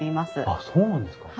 あっそうなんですか。